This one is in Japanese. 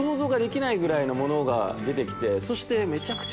が出てきてそして。